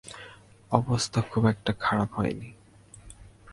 অবস্থা খুব একটা খারাপ হয়নি।